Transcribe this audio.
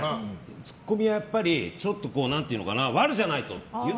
ツッコミはやっぱり悪じゃないとっていう。